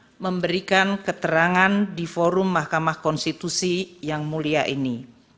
saya memberikan keterangan di forum mahkamah konstitusi yang mulia ini